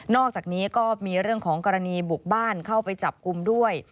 อกจากนี้ก็มีเรื่องของกรณีบุกบ้านเข้าไปจับกลุ่มด้วย